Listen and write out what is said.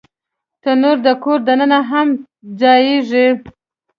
تنور د کور دننه هم ځایېږي